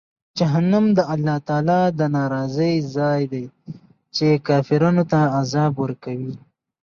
جهنم د الله تعالی د ناراضۍ ځای دی، چې کافرانو ته عذاب ورکوي.